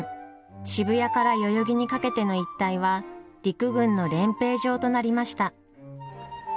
渋谷から代々木にかけての一帯は陸軍の練兵場となりました。